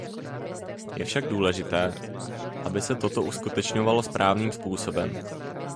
Je však důležité, aby se toto uskutečňovalo správným způsobem.